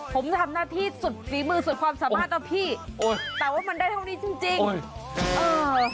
ผมทำหน้าที่สุดศรีมือสุดความสามารถกับพี่แต่ว่ามันได้เท่านี้จริง